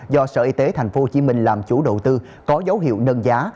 do sở y tế tp hcm làm chủ đầu tư có dấu hiệu nâng giá